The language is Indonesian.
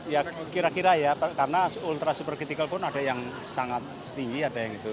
ya kira kira ya karena ultra super critical pun ada yang sangat tinggi ada yang itu